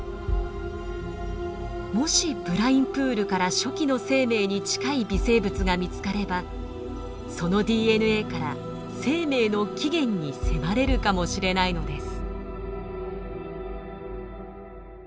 もしブラインプールから初期の生命に近い微生物が見つかればそのＤＮＡから生命の起源に迫れるかもしれないのです。